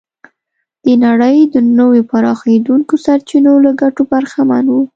د نړۍ د نویو پراخېدونکو سرچینو له ګټو برخمن و.